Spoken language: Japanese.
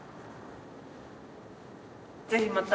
ぜひまた。